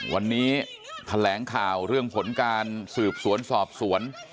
วันนี้แถลงข่าวเรื่องผลการสืบสวนสอบสวน